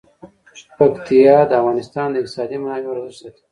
پکتیا د افغانستان د اقتصادي منابعو ارزښت زیاتوي.